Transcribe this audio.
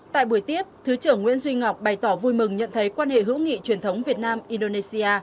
tại buổi tiếp thứ trưởng nguyễn duy ngọc bày tỏ vui mừng nhận thấy quan hệ hữu nghị truyền thống việt nam indonesia